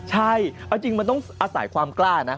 ใช่เอาจริงมันต้องอาศัยความกล้านะ